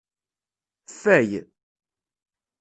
Ffay.